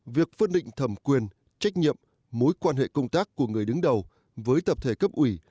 việc phân định thẩm quyền trách nhiệm mối quan hệ công tác của người đứng đầu với tập thể cấp ủy